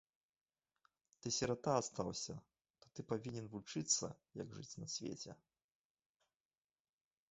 Ты сірата астаўся, то ты павінен вучыцца, як жыць на свеце.